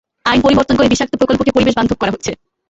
আইন পরিবর্তন করে বিষাক্ত প্রকল্পকে পরিবেশবান্ধব করা হচ্ছে।